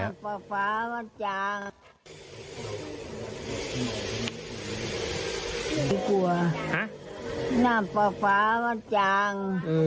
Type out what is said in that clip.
น้ำปลามันจาง